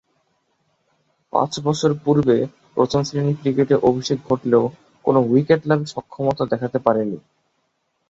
পাঁচ বছর পূর্বে প্রথম-শ্রেণীর ক্রিকেটে অভিষেক ঘটলেও কোন উইকেট লাভে সক্ষমতা দেখাতে পারেননি।